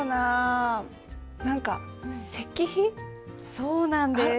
そうなんです。